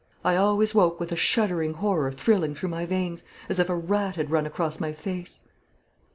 I always woke with a shuddering horror thrilling through my veins, as if a rat had run across my face.